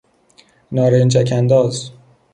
نارنجکانداز